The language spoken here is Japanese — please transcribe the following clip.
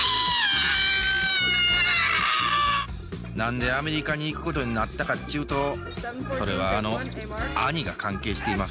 何でアメリカに行くことになったかっちゅうとそれはあの兄が関係しています。